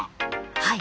はい。